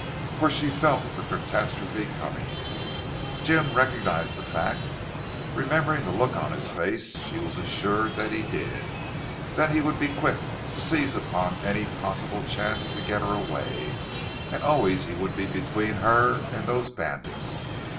For she felt the catastrophe coming. Did Jim recognize that fact? Remembering the look on his face, she was assured that he did. Then he would be quick to seize upon any possible chance to get her away; and always he would be between her and those bandits.